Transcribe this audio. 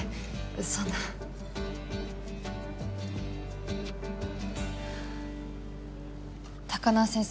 そんな高輪先生